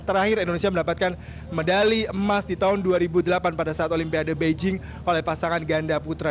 terakhir indonesia mendapatkan medali emas di tahun dua ribu delapan pada saat olimpiade beijing oleh pasangan ganda putra